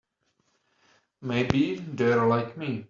Maybe they're like me.